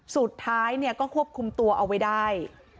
สุดท้ายก็ควบคุมตัวเอาไว้ได้